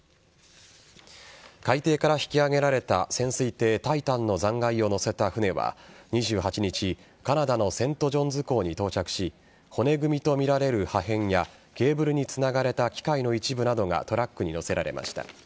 海底から引き揚げられた潜水艇「タイタン」の残骸を載せた船は２８日カナダのセント・ジョンズ港に到着し骨組みとみられる破片やケーブルにつながれた機械の一部などがトラックに載せられました。